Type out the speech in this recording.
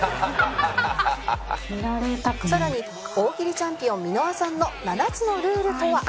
さらに大喜利チャンピオン箕輪さんの７つのルールとは？